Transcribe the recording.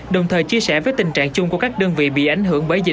đồng thời chia sẻ với tình trạng chung của các đơn vị bị ảnh hưởng bởi dịch